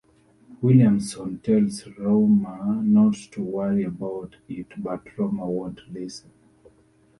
Williamson tells Roma not to worry about it but Roma won't listen.